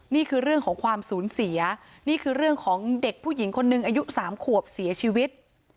นี่คือเรื่องของความสูญเสียนี่คือเรื่องของเด็กผู้หญิงคนนึงอายุ๓ขวบเสียชีวิต